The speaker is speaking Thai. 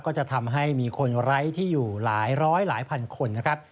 ก็จะทำให้มีคนไร้ที่อยู่หลายร้อยหลายพันคนนะครับ